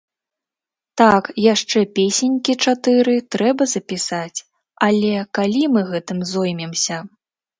Так, яшчэ песенькі чатыры трэба запісаць, але калі мы гэтым зоймемся!?